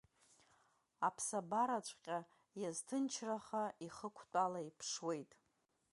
Аԥсабараҵәҟьа иазҭынчраха, ихықәтәала иԥшуеит.